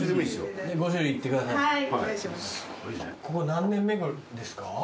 ここ何年目ですか？